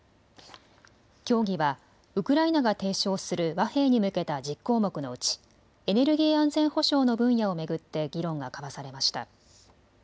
協議はウクライナが提唱する和平に向けた１０項目のうちエネルギー安全保障の分野を巡って議論が交わされました。